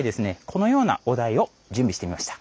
このようなお題を準備してみました。